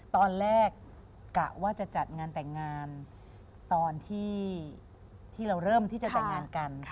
ตอนแรกกะว่าจะจัดงานแต่งงานตอนที่เราเริ่มที่จะแต่งงานกัน